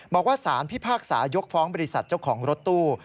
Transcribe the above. บอกว่าสารพิพากษายกฟ้องบริษัทเจ้าของรถตู้